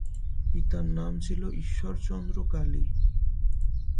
পিতার নাম ছিল ঈশ্বরচন্দ্র কালী।